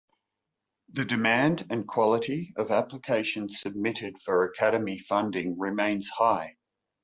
The demand and quality of applications submitted for Academy funding remains high.